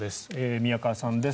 宮川さんです。